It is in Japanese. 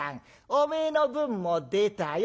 おめえの分も出たよ。